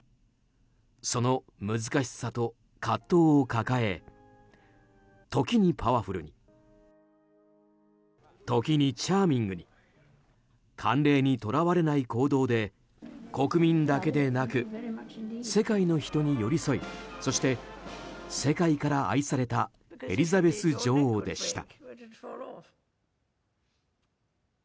その難しさと葛藤を抱え時にパワフルに時にチャーミングに慣例にとらわれない行動で国民だけでなく世界の人に寄り添いそして、世界から愛されたエリザベス女王でした。